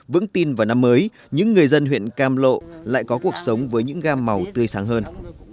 vững tin vào năm mới những người dân huyện cam lộ lại có cuộc sống với những gam màu tươi sáng hơn